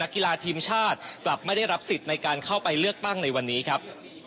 กลับไม่ได้รับสิทธิ์ในการเข้าไปเลือกตั้งในวันนี้ครับ